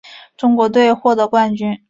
中国队获得冠军。